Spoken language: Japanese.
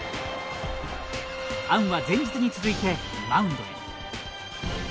アンは前日に続いてマウンドへ。